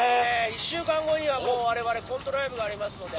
「１週間後にはもう我々コントライブがありますので」